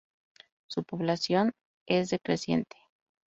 Su población es decreciente.